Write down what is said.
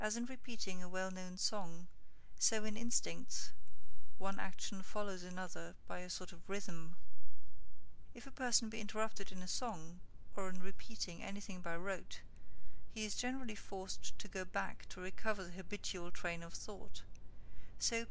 As in repeating a well known song, so in instincts, one action follows another by a sort of rhythm; if a person be interrupted in a song, or in repeating anything by rote, he is generally forced to go back to recover the habitual train of thought: so P.